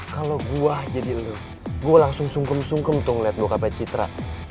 kalau gue jadi lo gue langsung sungkem sungkem tuh ngeliat boka pecitra